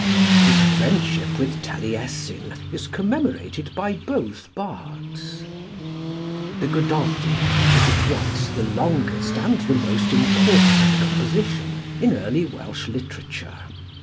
His friendship with Taliessin is commemorated by both bards. The 'Gododin' is at once the longest and the most important composition in early Welsh literature.